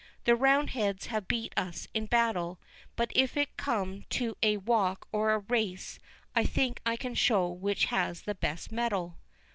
The roundheads have beat us in battle; but if it come to a walk or a race, I think I can show which has the best mettle."